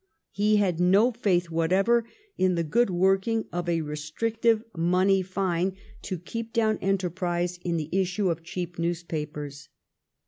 He had no faith whatever in the good working of a restrictive money fine to keep down enterprise in the issue of cheap newspapers.